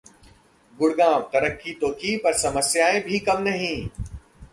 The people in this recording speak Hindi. गुड़गांव: तरक्की तो की, पर समस्याएं भी कम नहीं